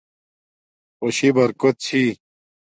خوشی برکوت چھی